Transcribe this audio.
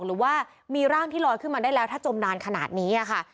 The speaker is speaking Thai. หรือว่ามีร่างที่ลอยขึ้นมาได้แล้วถ้าจมนานขนาดนี้ค่ะ